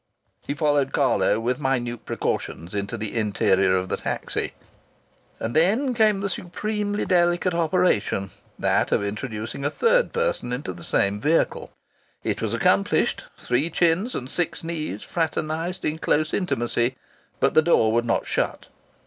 He followed Carlo, with minute precautions, into the interior of the taxi. And then came the supremely delicate operation that of introducing a third person into the same vehicle. It was accomplished; three chins and six knees fraternized in close intimacy; but the door would not shut.